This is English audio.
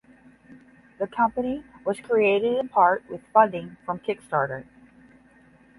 The company was created in part with funding from Kickstarter.